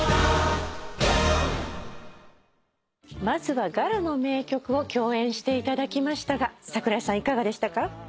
まずはガロの名曲を共演していただきましたが桜井さんいかがでしたか？